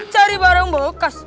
cari barang bekas